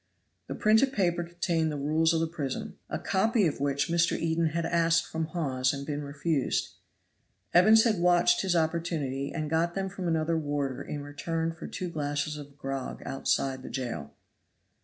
The printed paper contained "the rules of the prison," a copy of which Mr. Eden had asked from Hawes and been refused. Evans had watched his opportunity, got them from another warder in return for two glasses of grog outside the jail.